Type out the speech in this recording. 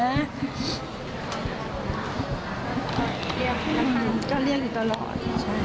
เรียกให้กันก็เรียกอยู่ตลอด